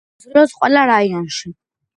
იზრდება საქართველოს ყველა რაიონში.